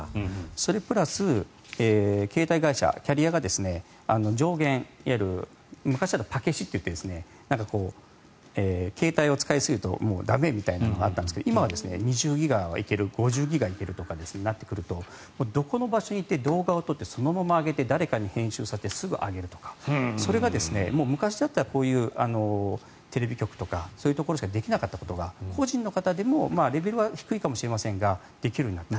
それプラス携帯会社、キャリアが上限、いわゆる昔は携帯を使いすぎると駄目みたいなのがあるんですが今は２０ギガはいける５０ギガはいけるとなってくるとどこの場所に行って動画も上げて誰かに編集されてすぐ上げるとかそれが昔だったらこういうテレビ局とかそういうところにしかできなかったところが、個人でもできるようになった。